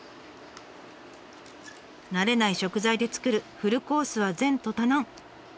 慣れない食材で作るフルコースは前途多難。